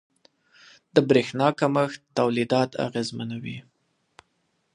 • د برېښنا کمښت تولیدات اغېزمنوي.